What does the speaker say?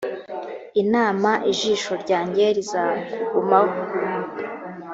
inama ijisho ryanjye rizakugumaho